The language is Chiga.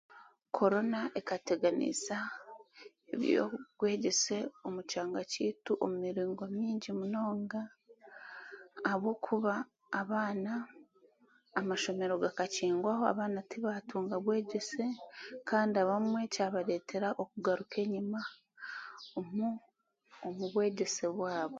Korona ekateganisa eby'obwegyese omu kyanga kyaitu omu miringo mingi munonga ahabwokuba abaana amashomero gakakingwaho abaana tibaatunga obwegyese kandi abamwe kyabareetera okugaruka enyima omu bwegyese bwabo